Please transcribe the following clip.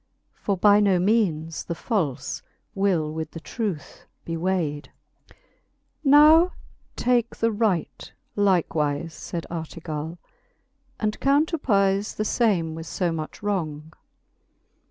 For by no meanes the falle will with the truth be wayd. XLVI. Now take the right likewife, fayd Ar legale, And counterpeiie the fame with fb much wrong.